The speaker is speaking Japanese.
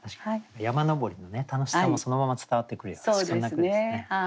山登りの楽しさもそのまま伝わってくるようなそんな句でしたね。